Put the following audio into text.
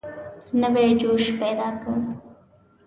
نوی جوش پیدا کړ.